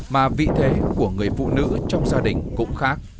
mà vị thế của người phụ nữ trong gia đình cũng khác